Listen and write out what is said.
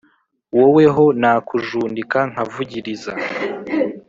wowe ho nakujundika nkavugirirza